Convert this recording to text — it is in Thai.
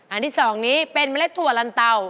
ที่๒นี้เป็นเมล็ดถั่วลันเตา